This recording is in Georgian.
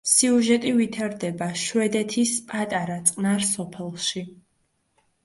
სიუჟეტი ვითარდება შვედეთის პატარა, წყნარ სოფელში.